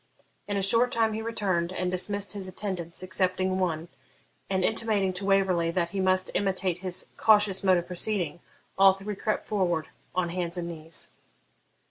In a short time he returned, and dismissed his attendants excepting one; and, intimating to Waverley that he must imitate his cautious mode of proceeding, all three crept forward on hands and knees.